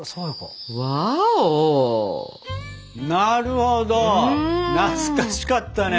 なるほど懐かしかったね。